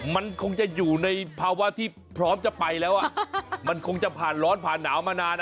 มันคงจะอยู่ในภาวะที่พร้อมจะไปแล้วอ่ะมันคงจะผ่านร้อนผ่านหนาวมานาน